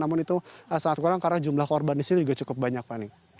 namun itu sangat kurang karena jumlah korban di sini juga cukup banyak fani